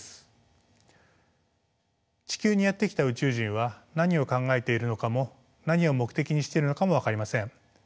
地球にやって来た宇宙人は何を考えているのかも何を目的にしているのかも分かりません。